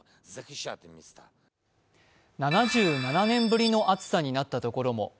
７７年ぶりの暑さになった所も。